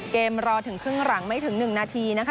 รอถึงครึ่งหลังไม่ถึง๑นาทีนะคะ